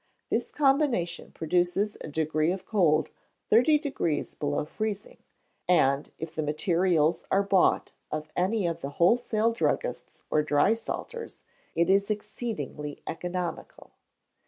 This combination produces a degree of cold thirty degrees below freezing; and if the materials are bought of any of the wholesale druggists or dry salters, it is exceedingly economical.